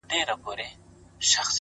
شعرونه دي هر وخت د ملاقات راته وايي-